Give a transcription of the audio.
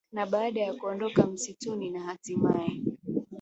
Na baada ya kuondoka msituni na hatimaye